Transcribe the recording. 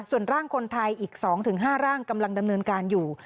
ส่วนร่างคนไทยอีก๒๕ร่างกำลังดำเนินการอยู่